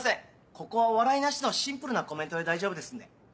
ここは笑いなしのシンプルなコメントで大丈夫ですんで。